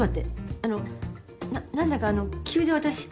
あのうな何だかあのう急で私。